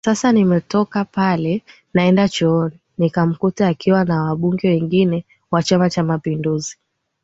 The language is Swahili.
Sasa nimetoka pale naenda chooni nikamkuta akiwa na wabunge wengine wa Chama cha mapinduzi